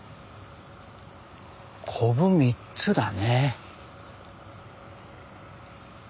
こぶ３つだね。